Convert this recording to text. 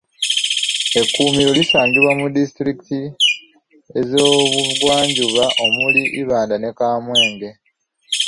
Ekkuumiro lisangibwa mu disitulikiti z'omubugwanjuba omuli Ibanda ne Kamwenge